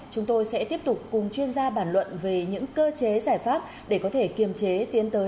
chúng tôi sẽ tiếp tục cùng chuyên gia bản luận về những cơ chế giải pháp để có thể kiềm chế tiến tới